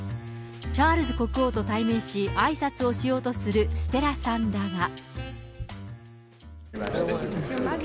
チャールズ国王と対面し、あいさつをしようとするステラさんだが。